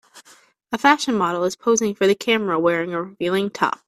A fashion model is posing for the camera wearing a revealing top.